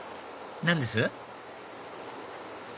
何です？